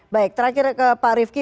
baik terakhir ke pak rifki